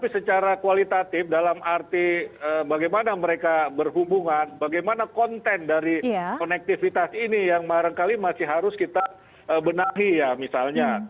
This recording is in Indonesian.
secara kualitatif dalam arti bagaimana mereka berhubungan bagaimana konten dari konektivitas ini yang barangkali masih harus kita benahi ya misalnya